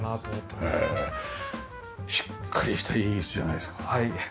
しっかりしたいい椅子じゃないですか。